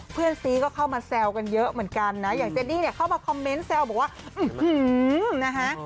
เพื่อนซีก็เข้ามาแซวกันเยอะเหมือนกันนะอย่างเจนี่เนี่ยเข้ามาคอมเมนต์แซวบอกว่าอื้อหือนะฮะ